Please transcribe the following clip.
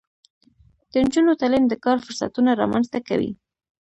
د نجونو تعلیم د کار فرصتونه رامنځته کوي.